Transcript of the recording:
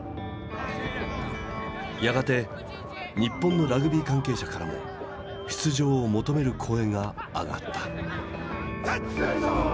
やがて日本のラグビー関係者からも出場を求める声が上がった。